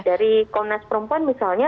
dari komunitas perempuan misalnya